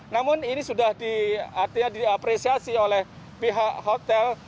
namun ini sudah diapresiasi oleh pihak hotel